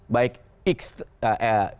baik ekstra eh